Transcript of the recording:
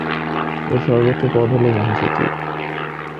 এর সর্বোচ্চ পদ হল মহাসচিব।